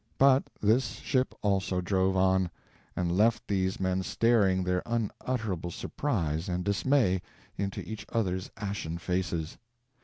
But this ship also drove on, and left these men staring their unutterable surprise and dismay into each other's ashen faces.